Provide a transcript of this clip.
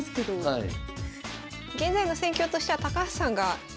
はい。